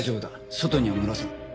外には漏らさん。